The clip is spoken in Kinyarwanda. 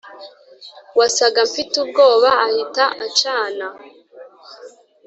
wasaga mfite ubwoba ahita acana